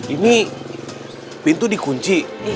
ini pintu dikunci